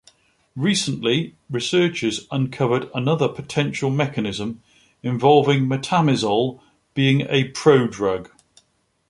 Recently, researchers uncovered another potential mechanism involving metamizole being a prodrug.